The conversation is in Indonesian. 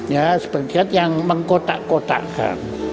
ya sebagian yang mengkotak kotakkan